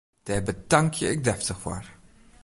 Dêr betankje ik deftich foar!